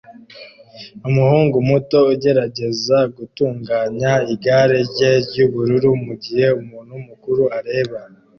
Umuhungu muto ugerageza gutunganya igare rye ry'ubururu mugihe umuntu mukuru areba